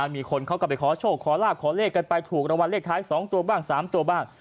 มีคนเขาก็ไปขอโชคขอลาบขอเลขกันไปถูกรางวัลเลขท้าย๒ตัวบ้าง๓ตัวบ้าง